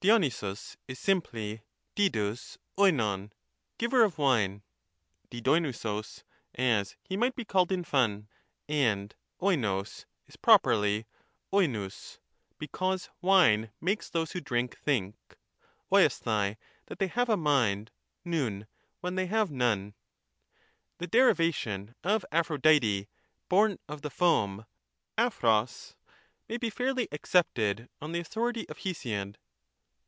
Aiovvaog is simply didovg olvov (giver of wine), ^i,6oivvaog, as he might be called in fun, — and olvog is properly olovovg, because wine makes those who drink, think (oleaOai) that they have a mind (vovv) when they have none. The derivation of Aphrodite, born of the foam {d(j)pbc), Aphrodite. may be fairly accepted on the authority of Hesiod.